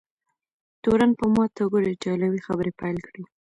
تورن په ماته ګوډه ایټالوي خبرې پیل کړې.